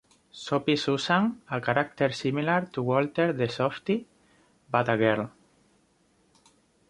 Soppy Susan a character similar to Walter the Softy but a girl.